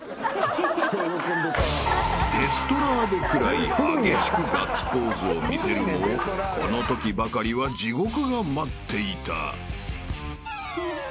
［デストラーデくらい激しくガッツポーズを見せるもこのときばかりは地獄が待っていた］